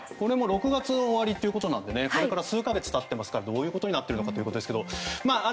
６月の終わりということなのでこれから数か月を経てどういうことになっているのかということですが。